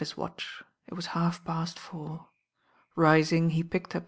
watch; it wa. half.pa.7fouf R»mg. he picked up hi.